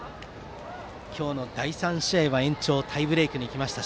今日の第３試合は延長タイブレークまで行きました。